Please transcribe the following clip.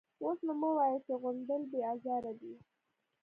_اوس نو مه وايه چې غونډل بې ازاره دی.